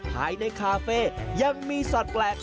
ภายในคาเฟ่ยังมีสัตว์แปลก